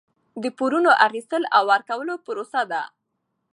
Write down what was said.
د پورونو اخیستل او ورکول پروسه ده.